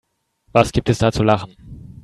Was gibt es da zu lachen?